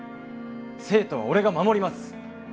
生徒は俺が守ります！